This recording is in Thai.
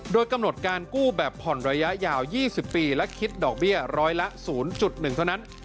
โดยกำหนดการกู้แบบผ่อนระยะยาว๒๐ปีและคิดดอกเบี้ยร้อยละ๐๑เท่านั้น